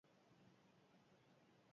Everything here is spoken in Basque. Ez da bide erraza, baina merezi du.